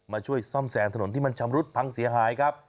มาช่วยซ่อมแซมถนนที่มันชำรุดพังเสียหายครับ